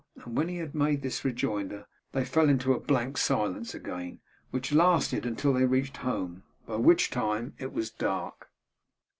And when he had made this rejoinder, they fell into a blank silence again, which lasted until they reached home; by which time it was dark.